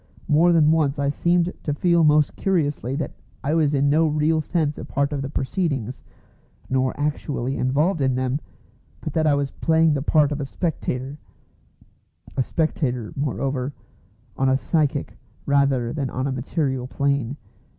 More than once I seemed to feel most curiously that I was in no real sense a part of the proceedings, nor actually involved in them, but that I was playing the part of a spectator a spectator, moreover, on a psychic rather than on a material plane.